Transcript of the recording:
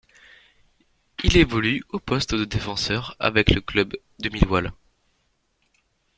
Il évolue au poste de défenseur avec le club de Millwall.